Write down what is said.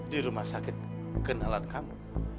di rumah sakit kenalan kamu